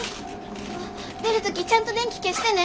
あ出る時ちゃんと電気消してね。